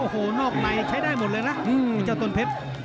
โอ้โหนอกในใช้ได้หมดเลยนะเข